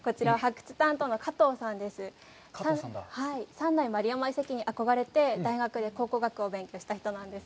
三内丸山遺跡に憧れて、大学で考古学を勉強した人なんです。